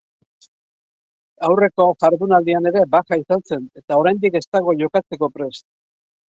Aurreko jardunaldian ere baja izan zen, eta oraindik ez dago jokatzeko prest.